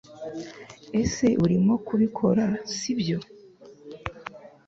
Ese Urimo kubikora sibyo